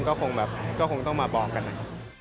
ก็คงต้องมาบอกกันนะครับ